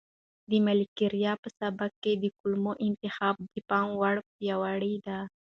د ملکیار په سبک کې د کلمو انتخاب د پام وړ پیاوړی دی.